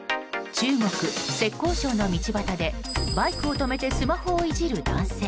中国・浙江省の道端でバイクを止めてスマホをいじる男性。